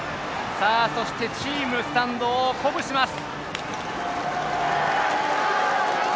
そして、チームスタンドを鼓舞します。